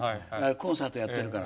コンサートやってるから。